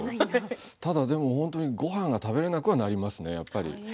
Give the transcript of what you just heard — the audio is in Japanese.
ただ、でも本当にごはんが食べれなくはなりますねやっぱり。